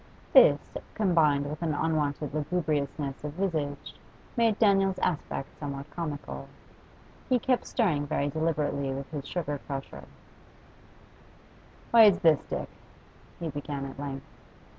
This, combined with an unwonted lugubriousness of visage, made Daniel's aspect somewhat comical. He kept stirring very deliberately with his sugar crusher. 'Why, it's this, Dick,' he began at length.